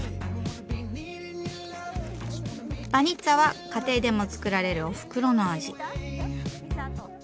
バニッツァは家庭でも作られるおふくろの味。